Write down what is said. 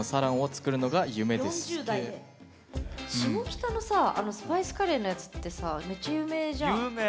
下北のさあのスパイスカレーのやつってめっちゃ有名じゃん。